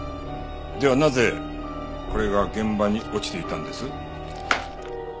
ではなぜこれが現場に落ちていたんです？